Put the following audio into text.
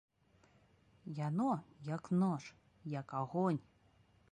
Яно, як нож, як агонь!